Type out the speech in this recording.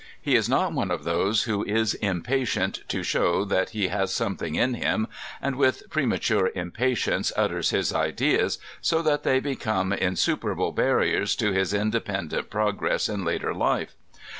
He is not one of those who is impatient to show that he has something in him, and with pre mature impatience utters his ideas, so that they become insuper able barriers to his independent progress in later life.